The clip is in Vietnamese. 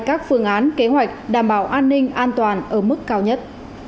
các phương án kế hoạch đảm bảo an ninh an toàn ở mức cao nhất